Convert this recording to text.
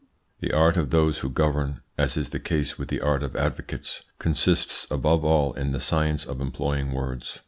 The art of those who govern, as is the case with the art of advocates, consists above all in the science of employing words.